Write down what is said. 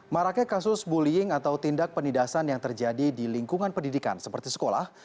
maraknya kasus bullying atau tindak penindasan yang terjadi di lingkungan pendidikan seperti sekolah